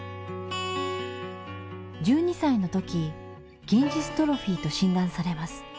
１２歳のとき筋ジストロフィーと診断されます。